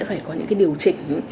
phải có những điều chỉnh